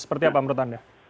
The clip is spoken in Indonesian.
seperti apa menurut anda